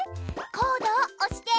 「コード」を押して。